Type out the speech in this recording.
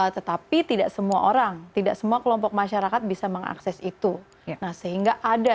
tetapi tidak semua orang tidak semua kelompok masyarakat bisa mengakses itu nah sehingga ada